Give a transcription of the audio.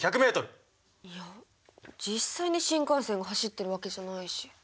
いや実際に新幹線が走ってるわけじゃないし。